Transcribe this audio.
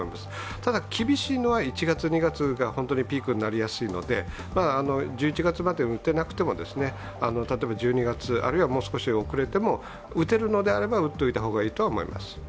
ただ、厳しいのは１月、２月が本当にピークになりやすいので１１月までに打てなくても、例えば１２月、あるいはもう少し遅れても打てるのであれば打っておいた方がいいとは思います。